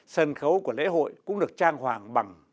sân khấu của lễ hội cũng được trang hoàng bằng